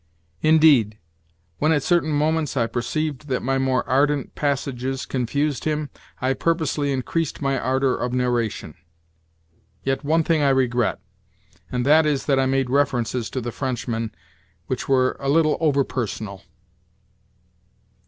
Indeed, when, at certain moments, I perceived that my more ardent passages confused him, I purposely increased my ardour of narration. Yet one thing I regret: and that is that I made references to the Frenchman which were a little over personal.